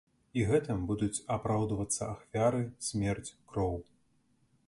І гэтым будуць апраўдвацца ахвяры, смерць, кроў!